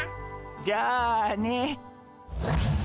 じゃあね。